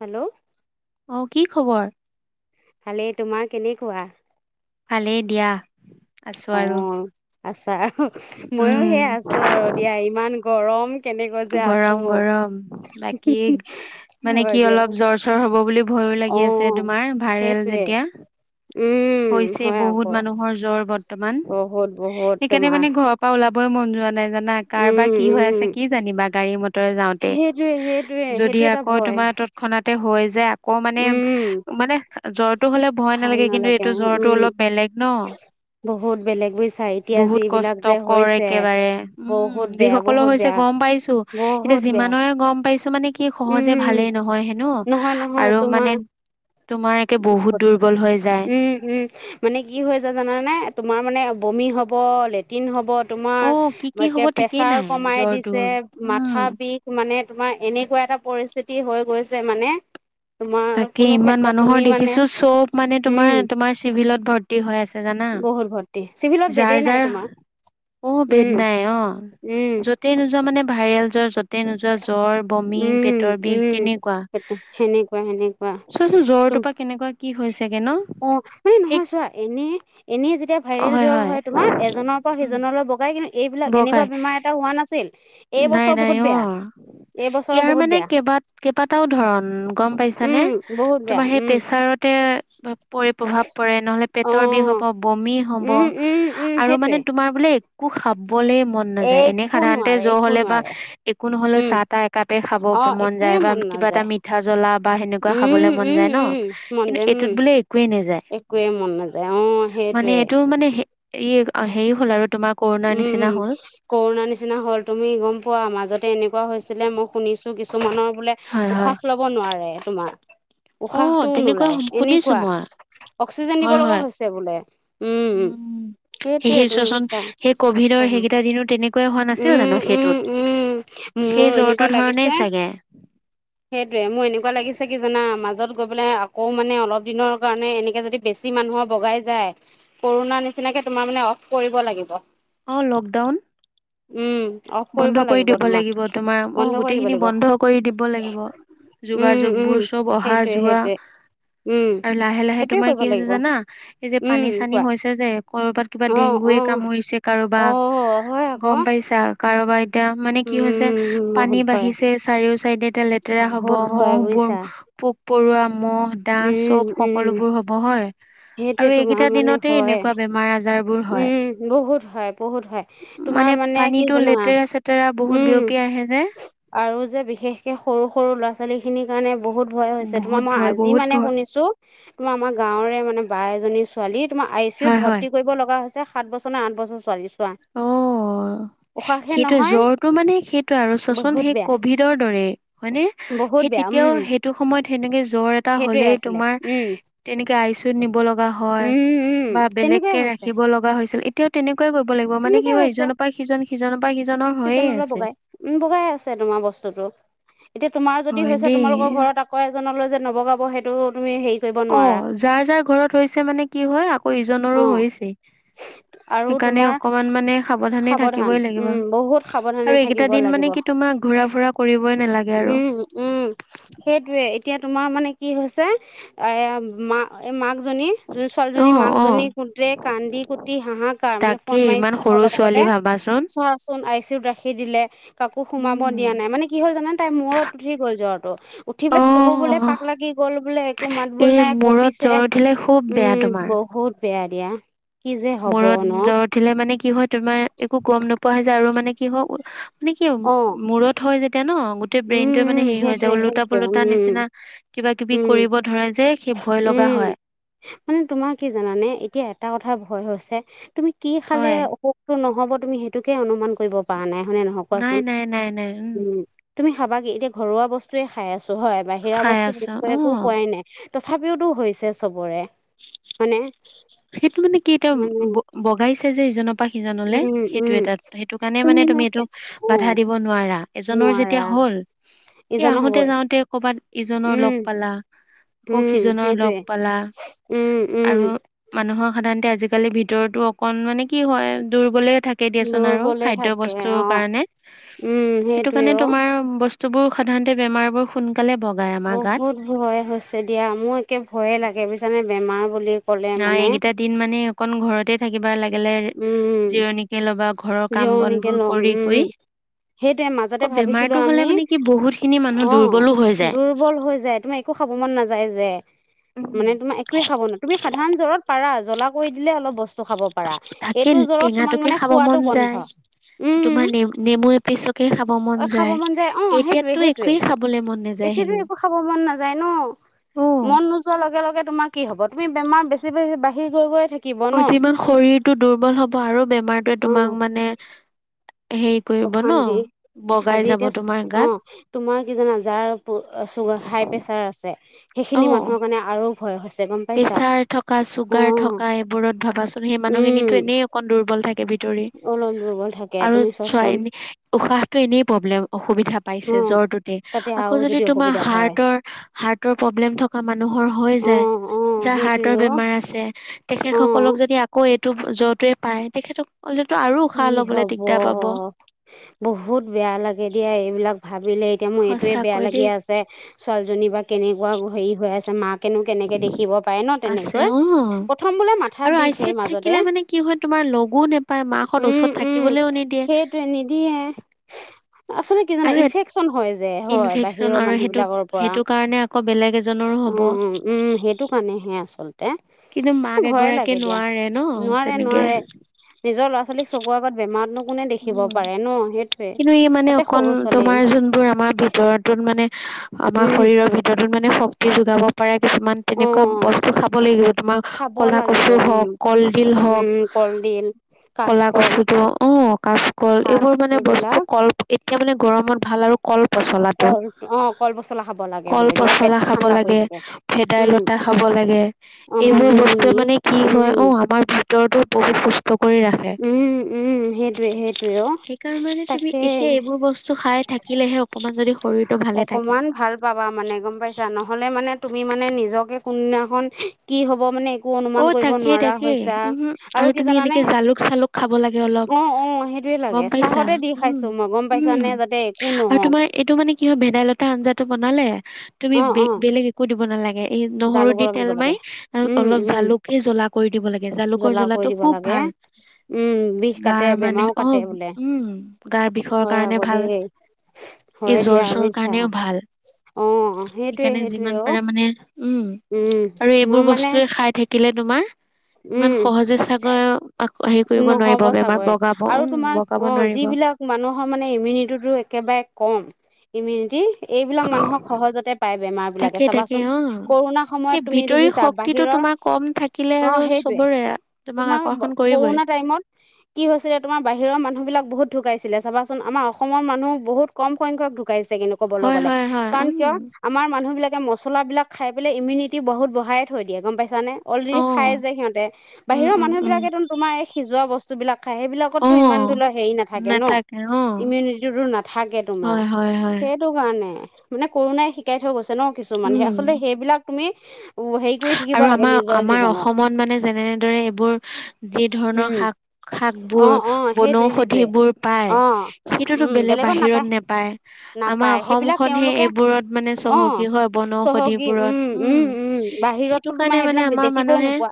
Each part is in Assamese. হেল্ল'? অ', কি খবৰ? ভালে তোমাৰ কেনেকুৱা? ভালেই দিয়া, আছো অ আৰু। আছা অ', ময়ো উম সে আছো আৰু দিয়া ইমান গৰম। কেনেকৈ যে আছো গৰম-গৰম বাকী মানে হয় কি দিয়া অলপ জ্বৰ চৰ হ'ব বুলি ভ ভয় অ লাগি আছে তোমাৰ ভাইৰেল সেইটোৱে যেতিয়া। উম হৈছে হয় বহুত আকৌ মানুহৰ জ্বৰ বৰ্তমান, বহুত বহুত সেইকাৰণে তোমাৰ মানে ঘৰৰ পৰা ওলাব। বই মন যোৱা নাই জানা, কাৰ বা উম কি হৈ আছে উম কি জানিবা গাড়ী মত। যাওঁতে, সেইটোৱে সেইটোৱে যদি সেইটো এটা আকৌ ভয় তোমাৰ তৎক্ষণাত তে হৈ যায় আকৌ মানে উম মানে জ্বৰটো হ'লে ভয় ভাল নালাগে কিন্তু। জ্বৰটো উম অলপ বেলেগ ন, বহুত বেলেগ বুজিছা এতিয়া বহুত যিবিলাক কষ্ট যে কৰ হৈছে একেবাৰে। এ উম বহুত যি বেয়া সকলৰ বহুত হৈছে বেয়া গম পাইছো এতিয়া বহুত বেয়া যিমানৰে গম পাইছো। মানে কি সহজে উম ভালেই নহয় হেনো নহয় নহয় আৰু মানে। তোমাৰ তোমাৰ একে বহুত দুৰ্বল হৈ যায়। উম উম মানে কি হৈ হৈছে জানানে তোমাৰ মানে বমি হ'ব লেটিন হ'ব। তোমাৰ অ কি কি কে হব ঠিকেই প্ৰেছাৰ নাই কমাই জ্বৰটো দিছে উম মাথা বিষ মানে তোমাৰ এনেকুৱা। যি তি হৈ গৈছে মানে। তোমাৰ তাকে কোনো ইমান ক্ষেত্ৰত তুমি মানুহৰ মানে দেখিছো চব মানে তোমাৰ উম তোমাৰ চিভিলত ভৰ্তি হৈ আছে জানা। বহুত ভৰ্তি চিভিলত যাৰ বেডেই যাৰ নাই তোমাৰ। অ বেদ উম নাই অ উম যতেই নোযোৱা মানে ভাইৰেল যৰ যতে নোযোৱা জ্বৰ বমি উম পেটৰ বিষ উম তেনেকুৱা সেনেকুৱা সেনেকুৱা চোৱাচোন তুম জ্বৰটোৰ পৰা কেনেকুৱা কি হৈ চেগে ন। অ মানে সেই নহয় চোৱা এনে এনেই যেতিয়া ভাইৰেল জ্বৰ হয় তোমাৰ এজনৰ পৰা উম সিজনলৈ বগাই। কিন্তু এইবিলাক এনেকুৱা বগাই বেমাৰ এটা হোৱা নাছিল এই নাই বছৰ নাই বহুত বেয়া অ এইবছৰৰ ইয়াৰ বহুত মানে বেয়া কেইবা কেইবাটাও ধৰন গম পাইছানে? উম বহুত বেয়া তোমাৰ সেই উম প্ৰেছাৰতে বাপ [unintelligible] পৰি প্ৰভাৱ পৰে নহলে অ পেটৰ বিষ হব, বমি হব, উম উম উম আৰু মানে সেইটোৱে তোমাৰ বোলে। একো খাবলে মন নাযায় এনে একো সাধাৰণ তে নোৱাৰে জ্ব একো হলে বা নোৱাৰে একো নহলে উম চাহ তাহ একাপেই খাব অ মন যায় একোৱে বা কিবা এটা নাযায় মিঠা জ্বলা। বা সেনেকুৱা খাবলে উম মন উম যায় ন? উম মন কিন্তু যায় উম এইটোত বোলে একোৱেই নাই। একোৱে মন নাযায় অ মানে সেইটোৱে এইটো মানে এই হেৰি হ'ল আৰু তোমাৰ কৰোণাৰ উম নিচিনা উম হ'ল কৰোণাৰ নিচিনা হল তুমি গম পোৱা মাজতে এনেকুৱা হৈছিলে মই শুনিছো কিছুমানৰ বোলে হয় হয় উশাহ লব নোৱাৰে তোমাৰ অ', উশাহটোও তেনেকুৱা নোলায় শুন- শুনিছো এনেকুৱা মই অক্সিজেন দিব হয় লগা হয় হৈছে বোলে উম সেই সেইটোয়েই সেই ত চোৱাচোন বৈছা সেই কভিডৰ অ সেইকেইটা দিনো তেনেকুৱাই হোৱা নাছিল জানো উম, উম, সেইটোত। উম, মোৰ এনেকুৱা লাগিছে উ [unintelligible] সেইটোয়ে মোৰ এনেকুৱা লাগিছে কি জানা। মাজত গৈ পেলাই আকৌ মানে অলপ দিনৰ কাৰণে এনেকে যদি বেছি মানুহ বগাই জাই কোৰোণা। নিচিনাকে তোমাৰ মানে অফ কৰিব লাগিব। অঁ লকডাউন উম অফ কৰিব বন্ধ কৰি দিব তোমাৰ লাগিব তোমাৰ অ বন্ধ কৰি দিব গোটেইখিনি লাগিব বন্ধ কৰি দিব লাগিব। উম, যোগাযোগ উম, বোৰ চব অহা সেইটোয়ে যোৱা সেইটোয়ে উম, আৰু লাহে লাহে সেইটোয়ে তোমাৰ কৰিব কি হৈছে লাগিব জানা এই যে উম, পানী চানী কোৱা হৈছে যে ক'বাত কিবা অ', ডং গৈয়ে অ', কামুৰিছে কাৰোবাক অ', হয় আকৌ গম পাইছা কাৰোবাই এতিয়া মানে কি হৈছে উম, বহুত পানী ভয় বাঢ়িছে চাৰিও চাইডে এ লেতেৰা হব বহুত ভয় মহ বোৰ বুজিছা পোক পৰুৱা মহ' দা উম, চব উম, সকলোবোৰ হ'ব হয়, সেইটোয়ে আৰু তোমাৰ এইকেইটা মানে দিনতে হয় এনেকুৱা বেমাৰ আজাৰ বোৰ হয় উম বহুত হয়। বহুত হয় তোমাৰ মানে কি পানীতো জানা, লেতেৰা চেতেৰা বহুত উম বিয়পি আহে যে আৰু যে বিশেষকে সৰু সৰু ল'ৰা ছোৱালী খিনিৰ কাৰণে বহুত ভয় হৈছে তোমাৰ বহুত মই ভয় আজি বহুত মানে ভয় শুনিছো তুমাৰ আমাৰ গাঁওৰে মানে বা এজনী ছোৱালী তোমাৰ আই চি ইউত হয় হয় ভৰ্তি কৰিব লগা ছে সাত বছৰ নে আঠ বছৰ ছোৱালী চোৱা। উশাহহে সেইটোৱে নহয় জ্বৰটো মানে সেইটো আৰু চোৱা চোৱা বহুত সেই বেয়া, কভিডৰ দৰে। হয়নে বহুত সেই বেয়া তেতিয়াও উম, সেইটো সময়ত সেনেকে জ্বৰ এটা সেইটোৱে হলেই আছিলে। তোমাৰ উম, তেনেকে আই চিউত নিব লগা হয় উম, উম, বা তেনেকুৱাই বেলেগকে হৈছে, ৰাখিব লগা হৈছিল এতিয়াও তেনেকুৱাই কৰিব লাগিব মানে কি হয় ইজনৰ পৰা সিজন সিজনৰ পৰা সিজনৰ সিজন হৈয়ে অলপ আছে। বগাই উ বগাই আছে তোমাৰ বস্তুতো এতিয়া তোমাৰ যদি হয় হৈছে দেই। তোমালোকৰ ঘৰত আকৌ এজনলৈ যে নবগাব সেইটো তুমি হেৰি কৰিব অ নোৱাৰা যাৰ যাৰ ঘৰত হৈছে মানে কি হয় আকৌ অ ইজনৰো হৈছেই। আৰু সেইকাৰণে তোমাৰ অকমান মানে সাৱধানে সাৱধান থাকিবই লাগিব। উম বহুত সাৱধানে আৰু থাকিব এইকেইটা দিন লাগিব মানে কি তোমাক ঘূৰা ফুৰা কৰিবই নালাগে আৰু। উম উম সেইটোৱে এতিয়া তোমাৰ মানে কি হৈছে এ মা মাক জনী যোন ছোৱালজনী অ', মাকজনী অ', গোটেই কান্দি কুটি হাহাকাৰ মানে ফোন তাকেই ইমান মাৰিছিলো সৰু অলপ ছোৱালী আগতে। ভাবাচোন চোন আই চিউ ৰাখি দিলে কাকো সোমাব উম। দিয়া নাই মানে কি হ'ল জানে তাই মূৰত উঠি গ'ল জ্বৰ। উঠি পেলাই চবু বোলে অ', পাক লাগি গল বোলে একো মাত বোল এই নাই মূৰত কঁপিছে। জ্বৰ উঠিলে খুব বেয়া উম তোমাৰ। বহুত বেয়া দিয়া কি যে হব মূৰত ন জ্বৰ উঠিলে মানে কি হয় তোমাৰ একো গম নোপোৱা হৈ যোয় আৰু মানে কি হয় মানে কি অ মূৰত হয় যেতিয়া ন গোটেই উম ব্ৰেইনটোৱে উম মানে হেৰি হৈ যায় সেইটোৱে ওলোটা সেইটোৱে উম পোলোতা নিচিনা কিবা কিবি উম কৰিব ধৰে যে সেই ভয় লগা উম হয়। মানে তোমাৰ কি জানানে এতিয়া এটা কথা ভয় হৈছে তুমি কি খালে হয় অসুখটো নহব তুমি সেইটোকে অনুমান কৰিব পৰা নাই হয়নে নহয় নাই কোৱাচোন নাই নাই নাই উম। তুমি খাবা কি এতিয়া ঘৰুৱা বস্তুয়ে খাই আছো হয় বাহিৰা খাই বস্তু আছো তেনেকৈ অ একো খোৱাই নাই তথাপিওতো হৈছে চবৰে মানে সেইটো মানে কি এতিয়া বগাইছে যে ইজনৰ পা সিজনলে উম সেইটো উম এটা দুটা সেইটো কাৰণে মানে তুমি এইটো অ বাধা দিব নোৱাৰা এজনৰ নোৱাৰা যেতিয়া হয় হল এ ইজনৰ আহোতে হবই যাওঁতে কৰবাত ইজনৰ লগ উম পালা আকৌ উম সিজনৰ লগ সেইটোৱে পালা উম উম আৰু মানুহৰ সাধাৰণতে আজিকালি ভিতৰতো অকন মানে কি হয় দুৰ্বলে থাকে দিয়াচোন আৰু দুৰ্বলে খাদ্য থাকে বস্তুৰ অ কাৰণে উম সেইটো সেইটোৱে কাৰণে অ তোমাৰ বস্তু স্তুবোৰ সাধাৰণতে বেমাৰবোৰ সুন বহুত ভয় হৈছে দিয়া মোৰ একে ভয়ে লাগে বুজছানে বেমাৰ বুলি ক'লে ন মানে এইকেইটা দিন মানে অকন ঘৰতে থাকিবা লাগিলে জিৰণিকে ল'বা ঘৰৰ কাম বন জিৱণী কে বোৰ লম কৰি কৰি উম সেইটোয়ে মাজতে আকৌ ভাবিছিলো বেমাৰটো হলে আমি মানে কি বহুত খিনি মানুহ অ দুৰ্বলো হৈ যায় দুৰ্বল হৈ যায় তুমি একো খাব মন নাযায় যে মানে উম তোমা একোৱে খাব তুমি সাধাৰণ জ্বৰত পাৰা জ্বলা কৰি দিলে অলপ বস্তু খাব পাৰা তাকে এইটো জ্বৰত তোমাক টেঙাটোকে মানে খাব খোৱাটো মন বন্ধ যায় তুমাৰ নেমু পিছ খাব অ খাব মন যায় অ সেইটোয়ে এতিয়াতো সেইটোয়ে একোৱেই খাবলৈ মন নাযায় এতিয়াতো হেনো একো খাব মন নাযায় ন। অ মন নোযোৱাৰ লগে লগে তোমাৰ কি হব তুমি বেমাৰ বেছি বাঢ়ি গৈ গৈ থাকিব অ ন যিমান শৰীৰটো দুৰ্বল হব আৰু বেমাৰটোৱে অ তোমাক মানে কি কৰিব ন অশান্তি বগাই আজি যাব এতিয়া তোমাৰ অ গাত তোমাৰ কি জানা যাৰ চুগাৰ হাই প্ৰেচাৰ আছে সেইখিনি অ মানুহৰ কাৰণে আৰু ভয় হৈছে। গম পাইছা প্ৰেছাৰ থকা অ চুগাৰ থকা এইবোৰত ভাবাচোন সেই উম মানুহখিনিতো এনেই অকন দুৰ্বল থাকে ভিতৰি অলপ দুৰ্বল থাকে আৰু তুমি ছ চোৱাচোন উশাহটো এনেই প্ৰব্লেম অসুবিধা অ পাইছে জ্বৰ টোটে তাতে আকৌ আৰু যদি তোমাৰ অসুবিধা হয় হাৰ্টৰ হাৰ্টৰ প্ৰব্লেম থকা মানুহৰ হয় অ যায় অ যে যাৰ সেইটোৱে হাৰ্টৰ বেমাৰ অ আছে তেখেত অ সকলক যদি আকৌ এইটো জ্বৰটোৱে পায় তেখেতক কি হব বহুত বেয়া লাগে দিয়া এইবিলাক বিলে এতিয়া মোৰ এইটোৱে বেয়া সঁচাকৈ দেই লাগি আছে ছোৱালীজনী বা কেনেকুৱা হেৰি হৈ আছে মাক কেনো কেনেকে দেখিব পাৰে ন', আছে তেনেকৈ অ প্ৰথম বোলে মাথাৰ আৰু আই বিষ চি সেই ইউত মাজতে থাকিলে মানে কি হয় তোমাৰ লগো নোপায় মাকহঁত ওচৰত উম- উম থাকিবলৈও নিদিয়ে সেইটোৱে নিদিয়ে। আচলে কি জানা আৰু ইনফেকশ্যন হয় যে যে হয় ইনফেকচন বাহিৰৰ আৰু মানুহ সেইটো বিলাকৰ পৰা সেইটো কাৰণে আকৌ বেলেগ এজনৰো হ'ব উম - উম সেইটো কাৰণে। হে আচলতে কিন্তু মাক ভয়ে এগৰাকীয়ে লাগে দিয়া নোৱাৰে ন নোৱাৰে- তেনেকে নোৱাৰে নিজৰ ল'ৰা ল'ৰা -ছোৱালীক চকুৰ আগত বেমাৰতনো কোনে দেখিব পাৰে ন', সেইটোৱে কিন্তু, ই মানে তাতে অকন সৰু ছোৱালী তোমাৰ যোনবোৰ আমাৰ ভিতৰত যোন মানে আমাৰ উম শৰীৰৰ ভিতৰত নতুন মানে শক্তি যোগাব পাৰে কিছুমান তেনেকুৱা অ বস্তু খাব লাগিব তোমাৰ খাব কলা লাগিব কচু উম হ'ক, কলডিল হ'ক উম কলডিল কলা কাচকল কচুটো অহ কাচকল শাক এইবোৰ মানে বস্তু এইবিলাক কল এতিয়া মানে গৰমত ভাল আৰু কল পচলাটো, কল অ কল পচলা খাব লাগে কল বোলে দিয়া -পচলা পেটটো খাব ঠাণ্ডা পৰি লাগে থাকে উম ভেদাইলতা খাব ল লাগে অ এইবোৰ বস্তুৱে মানিমুনি মানে কি হয় উম অহ আমাৰ ভিতৰতো বহুত সুস্থ কৰি ৰাখে। উম -উম সেইটো সেইকাৰণ মানে তুমি একে এইবোৰ বস্তু খাই থাকিলেহে অকমান যদি শৰীৰটো ভালে থাকে। অকমান ভাল পাবা মানে গম পাইছা নহ'লে মানে তুমি মানে নিজকে কোনদিনাখন কি হ'ব মানে একো অনুমান অহ, কৰিব তাকেই- নোৱাৰা তাকেই হৈছা উহহো আৰু কি তুমি জানানে এনেকে জালুক- চালুক খাব লাগে অলপ। অ অ সেইটোয়ে গম লাগে পাইছা চাহতে দি উম খাইছো মই গম -উম পাইছানে যাতে একো আৰু নহওক তোমাৰ এইটো মানে কিহয় ভেদাইলতা আঞ্জাটো বনালে তুমি অ অ বেগ- বেলেগ একো দিব নালাগে এই নহৰু জালুক দি অলপ দিব তেল মাৰি লাগে। উম, অলপ উম, জালুক হে জ্বলা কৰি দিব লাগে জালুকৰ জ্বলা কৰি জ্বলাটো দিব খুব লাগে। ভাল উম, বিষ কাটে গাৰ মানে বেমাৰো অহ কাটে বোলে। উম গাৰ বিষৰ হয় কাৰণে আকৌ ভাল দেই। এই হয় জ্বৰ দিয়া - চৰ বুজিছা। কাৰণেও ভাল। অ', সেইটোৱে সেইকাৰণে সেইটোৱে যিমান অ'। পাৰা মানে উম উম, আৰু এইবোৰ মই মানে বস্তুয়ে খাই থাকি থাকিলে তোমাৰ ইমান উম, সহজে ছাগে হেৰি কৰিব নোৱাৰিব নহ'ব বেমাৰ চাগৈ। বগাব আৰু উম তোমাৰ বগাব অ', নোৱাৰিব। যিবিলাক মানুহৰ মানে ইমিউনিটিটো একেবাৰে কম ইমিউনিটি এইবিলাক মানুহক সহজতে পায় বেমাৰ বিলাকে তাকে তাকে চাবাচোন অ কৰোণাৰ সময়ত সেই তুমি ভিতৰি দেখিছা শক্তিটো বাহিৰৰ তোমাৰ কম থাকিলে অ', আৰু সেইটোৱে চবৰে তোমাক তোমাৰ আকৰ্ষণ কৰিবই। কৰোণা টাইমত কি হৈছিলে তোমাৰ বাহিৰৰ মানুহ বিলাক বহুত- ঢুকাইছিলে চাবাচোন আমাৰ অসমৰ মানুহ বহুত কম সংখ্যক ঢু ঢুকাইছে কিন্তু কবলৈ হয় গ'লে হয় হয় কাৰণ কিয় উম আমাৰ মানুহ বিলাক তে মছলাবিলাক খাই পেলাই ইমিউনিটি বহুত বঢ়ায় থৈ দিয়ে গম পাইছানে? অ অলৰেডি খাই যে সিহঁতে উম বাহিৰৰ উম মানুহ উম বিলাকে তোমাৰ এই সিজোৱা বস্তু বিলাক খায় সেই অ বিলাকততো ইমানটো ল হেৰি নাথাকে ন', ইমিউনিটি টোটো নাথাকে তোমাৰ হয় হয় হয় সেইটো কাৰণে মানে কৰোণাই শিকাই থৈ গৈছে ন' কিছুমান উম আচলতে সেইবিলাক তুমি উম, হেৰি কৰি থাকিব আৰু লাগে আমাৰ নিজৰ আমাৰ জীৱনত। অসমত মানে যেনেদৰে এইবোৰ যি ধৰণৰ উম শাক- শাক অ বোৰ অ সেইটোৱে বনৌষধি সেইটোৱে বোৰ পায় অ সেইটোতো উম বেলেগ বেলেগত নাপায় বাহিৰত নেপায় আমাৰ নাপায় সেইবিলাক অসমখনহে তেওঁলোকে এইবোৰত মানে অ চহকী হয় চহকী বনৌষধিবোৰত উম সেইটো বাহিৰততো তোমাৰ কাৰণে মানে সেইবিলাক আমাৰ দেখিবও মানুহে নোপোৱা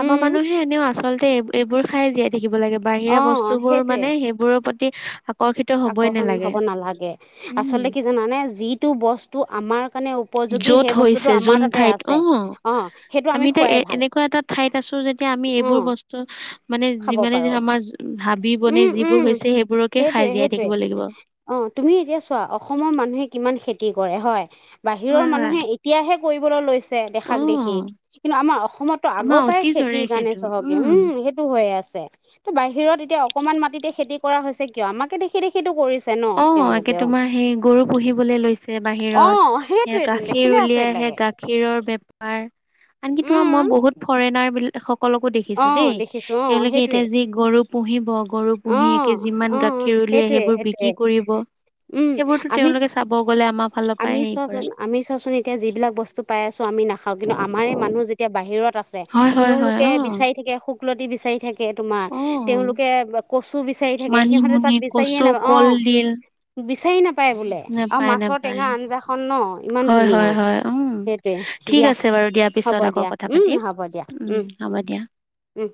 আমাৰ মানুহে এনেও আচলতে এইবোৰ খাই জীয়াই থাকিব লাগে বাহিৰা অ বস্তু বোৰ সেইটোৱে মানে সেইবোৰৰ প্ৰতি আকৰ্ষিত হবই আকৰ্ষণ নালাগে হব নালাগে উম আচলতে কি জানানে যিটো বস্তু আমাৰ কাৰণে উপযু যোগী য'ত সেই হৈছে বস্তুতোটো যোন আমাৰ তাতে ঠাইত অ আছে। অ সেইটো আমি এতিয়া এ খোৱাই ভাল এনেকুৱা এটা ঠাইত আছো যেতিয়া আমি অ। এইবোৰ বস্তু মানে খাব যিমানে পাৰো যিহক আমাৰ হাবি বনে উম উম যিবোৰ হৈছে সেইবোৰকে সেইটোৱে খাই জীয়াই সেইটোৱে থাকিব লাগিব অ তুমি এতিয়া চোৱা অসমৰ মানুহে কিমান খেতি কৰে হয়। বাহিৰৰ হয় হয় মানুহে এতিয়াহে কৰিবলৈ লৈছে অ দেখাক দেখি কিন্তু আমাৰ অসমততো আমাৰ আগৰ পৰাই, অতি জৰে খেতিৰ কাৰণে সেইটো চহকী উম সেই হৈ আছে ত বাহিৰত এতিয়া অকমান মাটিতে খেতি কৰা হৈছে কিয় আমাকে দেখি দেখিতো কৰিছে। ন অ একে তেওঁলোকেও তোমাৰ সেই গৰু পুহিবলৈ লৈছে অ বাহিৰত সেয়া সেইটোৱেতো গাখীৰ দেখিলে আচৰিত উলিয়াইহে লাগে গাখীৰৰ বেপাৰ আনকি তোমাৰ উম মই বহুত ফৰেনাৰ বিলাক সকলকো অ দেখিছো দেই দেখিছো অ তেওঁলোকে সেইটোৱে এতিয়া যি গৰু পুহিব গৰু অ পুহী একে অ যিমান গাখীৰ ওলিয়াই সেইটোৱে সেইবোৰ সেইটোৱে বিক্ৰী কৰিব উম সেইবোৰতো আমি তেওঁলোকে চাব গলে আমাৰ ফালৰ পৰাই আমি হেৰি কৰে চোৱাচোন আমি চোৱাচোন এতিয়া যিবিলাক বস্তু পাই আছো আমি নাখাও কিন্তু আমাৰে মানুহ যেতিয়া বাহিৰত আছে হয় হয় হয় তেওঁলোকে বিচাৰি অ থাকে শুকলতি বিচাৰি থাকে তোমাৰ অ তেওঁলোকে কচু বিচাৰি থাকে সিহঁতে তাত মানিমুনি বিচাৰিয়ে কচু নাপায় অ কলডিল পাই বোলে আৰু নাপায় মাছৰ নাপায় টেঙা আঞ্জাখন ন ইমান হয় ধুনীয়া হয় হয় উম সেইটোৱে ঠিক দিয়া। আছে বাৰু দিয়া হ'ব পিছত আকৌ দিয়া কথা পাতিম উম হ'ব দিয়া উম হ'ব দিয়া উম